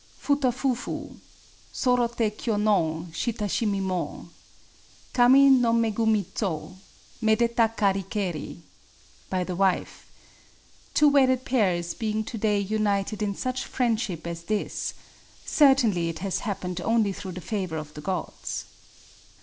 Futa fiifo Sordte ky5 no Shitashimi mo, Kami no megumi zo Medeta kari keri. — By the wife. Two wedded pairs being to^ay united in such friendship as thisj — certainly it has happened only through the favour of the Gods!